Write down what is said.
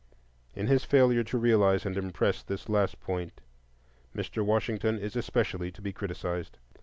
In his failure to realize and impress this last point, Mr. Washington is especially to be criticised.